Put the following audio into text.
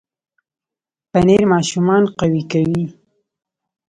پنېر ماشومان قوي کوي.